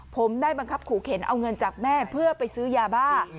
ผมได้บังคับขู่เข็นเอาเงินจากแม่เพื่อไปซื้อยาบ้า